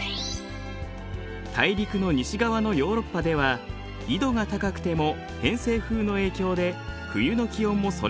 大陸の西側のヨーロッパでは緯度が高くても偏西風の影響で冬の気温もそれほど下がりません。